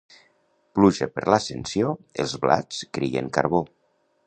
Pluja per l'Ascensió, els blats crien carbó.